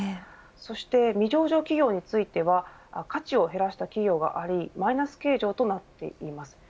そして未上場企業については価値を減らした企業がありマイナス計上となっています。